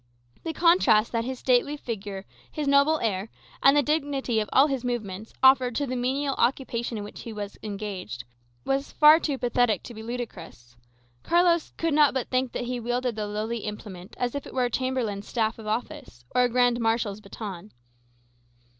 The contrast that his stately figure, his noble air, and the dignity of all his movements, offered to the menial occupation in which he was engaged, was far too pathetic to be ludicrous. Carlos could not but think that he wielded the lowly implement as if it were a chamberlain's staff of office, or a grand marshal's baton.